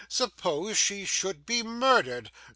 'Suppose she should be murdered.